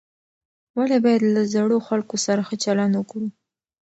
ولې باید له زړو خلکو سره ښه چلند وکړو؟